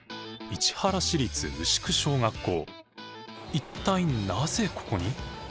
一体なぜここに？